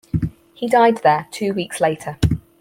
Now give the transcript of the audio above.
He died there two weeks later.